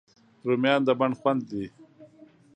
رومیان د بڼ خوند دي